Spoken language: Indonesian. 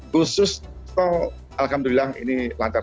khusus alhamdulillah ini lancar